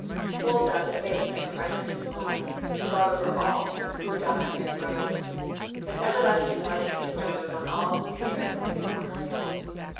"Hold thou the faith that Christ is Lord, God over all, who died and rose; And everlasting life bestows On all who hear the living word.